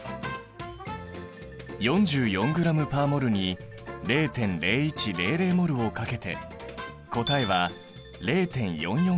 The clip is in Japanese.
４４ｇ／ｍｏｌに０．０１００ｍｏｌを掛けて答えは０．４４ｇ。